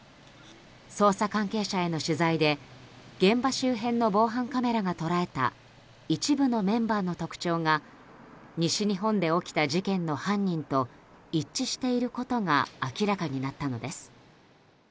捜査関係者への取材で現場周辺の防犯カメラが捉えた一部のメンバーの特徴が西日本で起きた事件の犯人と一致していることが明らかになったのです。